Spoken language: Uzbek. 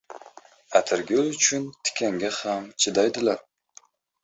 • Atirgul uchun tikanga ham chidaydilar.